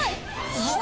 あっ！